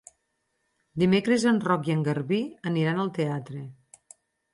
Dimecres en Roc i en Garbí aniran al teatre.